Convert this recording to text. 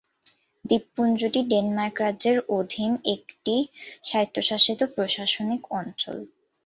দ্বীপপুঞ্জটি Denmark রাজ্যের অধীন একটি স্বায়ত্বশাসিত প্রশাসনিক অঞ্চল।